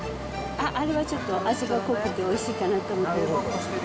あれはちょっと味が濃くておいしいかなと思ってる。